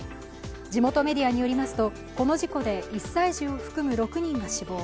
地元とメディアによりますと、この事故で１歳児を含む６人が死亡。